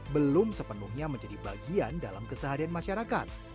belum sepenuhnya menjadi bagian dalam keseharian masyarakat